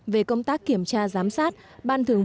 về công tác kiểm tra giám sát